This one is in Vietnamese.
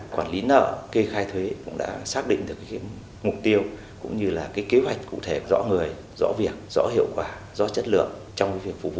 quản lý nợ kê khai thuế cũng đã xác định được mục tiêu cũng như kế hoạch cụ thể rõ người rõ việc rõ hiệu quả rõ chất lượng